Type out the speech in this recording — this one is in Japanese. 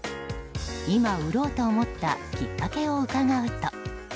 今売ろうと思ったきっかけを伺うと。